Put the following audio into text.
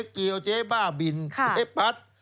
เกลียวเจ๊บ้าบินเฮ้ยพัตร